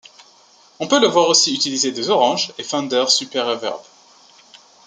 On peut aussi le voir utiliser des Orange et Fender Super Reverb.